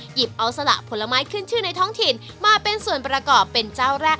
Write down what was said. หยิบเอาสละผลไม้ขึ้นชื่อในท้องถิ่นมาเป็นส่วนประกอบเป็นเจ้าแรก